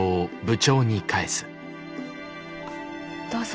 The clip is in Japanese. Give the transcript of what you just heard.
どうぞ。